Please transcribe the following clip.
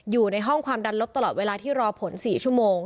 อยู่ในห้องความดันลบตลอดเวลาที่รอผล๔ชั่วโมง